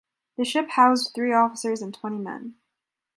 The ship housed three officers and twenty men.